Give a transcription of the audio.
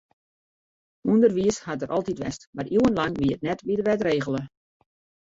Underwiis hat der altyd west, mar iuwenlang wie it net by de wet regele.